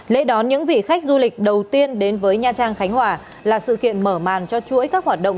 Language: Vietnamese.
lễ đón những vị khách du lịch đầu tiên đến với nha trang khánh hòa là sự kiện mở màn cho chuỗi các hoạt động